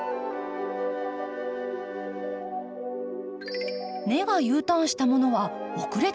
根がＵターンしたものは遅れて出てきました。